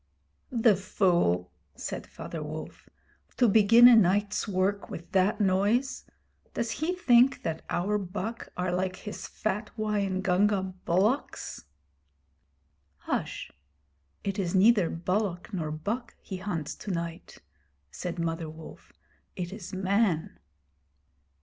'The fool!' said Father Wolf. 'To begin a night's work with that noise. Does he think that our buck are like his fat Waingunga bullocks?' 'H'sh. It is neither bullock nor buck he hunts to night,' said Mother Wolf. 'It is Man.'